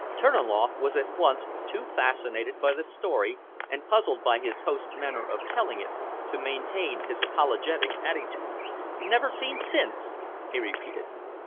Terniloff was at once too fascinated by the story and puzzled by his host's manner of telling it to maintain his apologetic attitude. "Never seen since!" he repeated.